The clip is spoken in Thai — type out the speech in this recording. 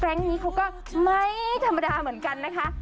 นี้เขาก็ไม่ธรรมดาเหมือนกันนะคะ